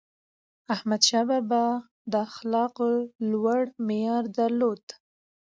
احمدشاه بابا د اخلاقو لوړ معیار درلود.